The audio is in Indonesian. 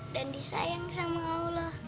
dan disayang sama allah